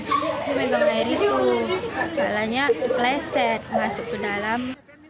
dia megang air itu kalanya keleset masuk ke dalam